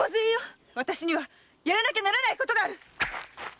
わたしにはやらなきゃならない事がある！